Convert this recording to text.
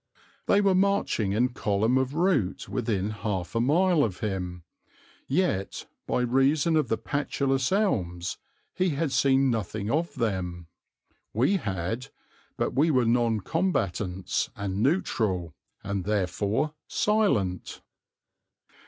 They were marching in column of route within half a mile of him. Yet, by reason of the patulous elms, he had seen nothing of them. We had; but we were non combatants and neutral, and therefore silent.